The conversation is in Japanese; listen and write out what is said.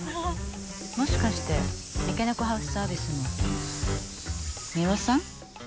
もしかして三毛猫ハウスサービスの美羽さん？